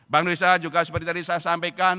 bank indonesia juga seperti tadi saya sampaikan